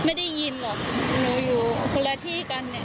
ไม่ได้ยินหรอกเพราะอยู่คนละที่กัน